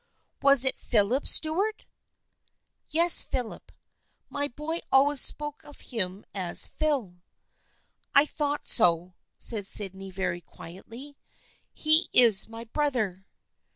" Was it Philip Stuart?" " Yes, Philip. My boy always spoke of him as Phil." " I thought so," said Sydney, very quietly. " He is my brother."